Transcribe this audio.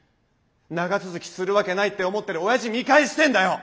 長続きするわけないって思ってるおやじ見返してえんだよ。